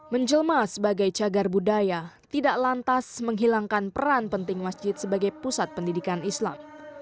menjelma sebagai cagar budaya tidak lantas menghilangkan peran penting masjid sebagai pusat pendidikan islam